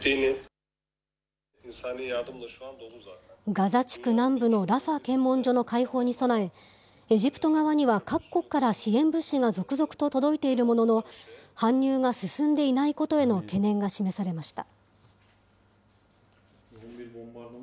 ガザ地区南部のラファ検問所の開放に備え、エジプト側には各国から支援物資が続々と届いているものの、搬入が進んでいないことへの懸念が示されました。